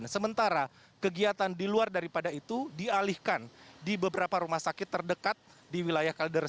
sementara kegiatan di luar daripada itu dialihkan di beberapa rumah sakit terdekat di wilayah kalideres